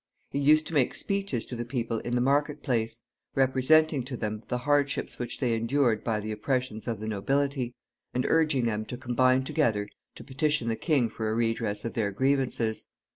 He used to make speeches to the people in the market place, representing to them the hardships which they endured by the oppressions of the nobility, and urging them to combine together to petition the king for a redress of their grievances.